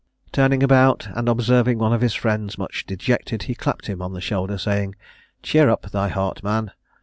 Turning about, and observing one of his friends much dejected, he clapped him on the shoulder, saying, "Cheer up thy heart, man!